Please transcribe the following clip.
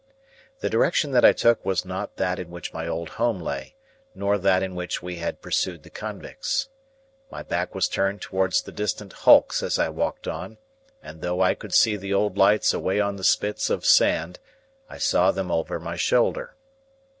The direction that I took was not that in which my old home lay, nor that in which we had pursued the convicts. My back was turned towards the distant Hulks as I walked on, and, though I could see the old lights away on the spits of sand, I saw them over my shoulder.